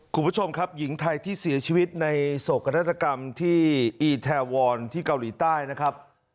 คุณผู้ชมครับหญิงไทยที่เสียชีวิตในโศกนาฏกรรมที่อีแทวอนที่เกาหลีใต้นะครับ